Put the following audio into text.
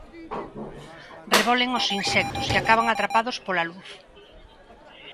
Rebolen os insectos, que acaban atrapados pola luz.